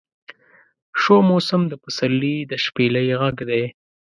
شو موسم د پسرلي د شپیلۍ غږدی